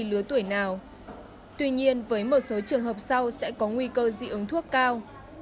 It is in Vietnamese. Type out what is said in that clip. lứa tuổi nào tuy nhiên với một số trường hợp sau sẽ có nguy cơ dị ứng thuốc cao